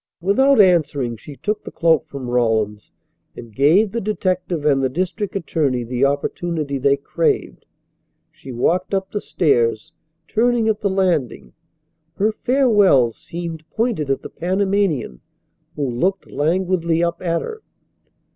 Without answering she took the cloak from Rawlins, and gave the detective and the district attorney the opportunity they craved. She walked up the stairs, turning at the landing. Her farewell seemed pointed at the Panamanian who looked languidly up at her.